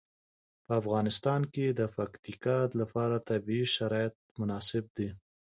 په افغانستان کې د پکتیکا لپاره طبیعي شرایط مناسب دي.